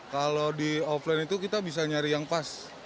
kalau di offline itu kita bisa nyari yang pas